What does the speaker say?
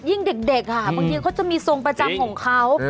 เด็กบางทีเขาจะมีทรงประจำของเขา